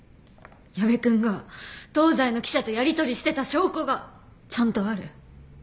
矢部君が『東西』の記者とやりとりしてた証拠がちゃんとある。